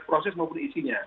proses maupun isinya